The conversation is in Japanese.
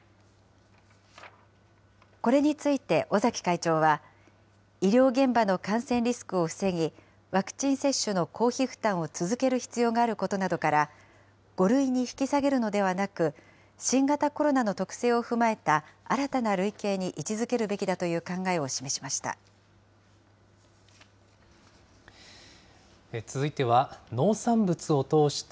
これについて尾崎会長は、医療現場の感染リスクを防ぎ、ワクチン接種の公費負担を続ける必要があることなどから、５類に引き下げるのではなく、新型コロナの特性を踏まえた新たな類型に位置づけるべきだという考えを示しました。